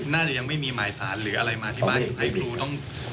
น่าจะยังไม่มีหมายสารหรืออะไรมาอธิบายให้ครูต้อง๘ตู้ดืง